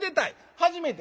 初めて。